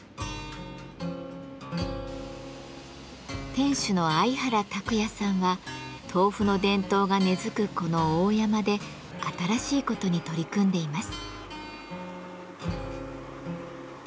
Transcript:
店主の相原琢也さんは豆腐の伝統が根づくこの大山で新しいことに取り組んでいます。